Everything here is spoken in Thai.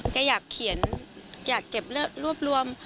แกอยากเขียนเหลือรวบรวม